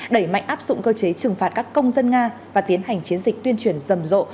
đẩy mạnh áp dụng cơ chế trừng phạt các công dân nga và tiến hành chiến dịch tuyên truyền rầm rộ